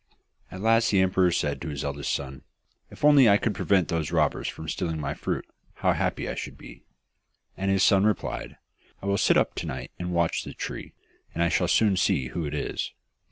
At last the emperor said to his eldest son, 'If only I could prevent those robbers from stealing my fruit, how happy I should be!' And his son replied, 'I will sit up to night and watch the tree, and I shall soon see who it is!